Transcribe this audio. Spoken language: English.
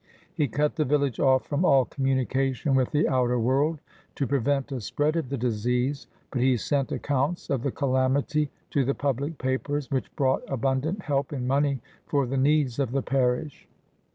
He cut the village off from all communication with the outer world, to prevent a spread of the disease; but he sent accounts of the calamity to the public papers, which brought abundant help in money for the needs of the parish.